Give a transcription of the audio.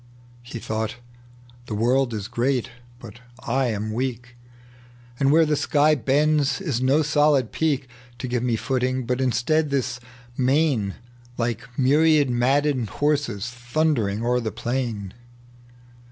He thought, "The world is great, but I am weak. And where the sky bends is no solid peak To give me footing, but ii^tead, this main Like myriad maddened horses thundering o'er the pkin.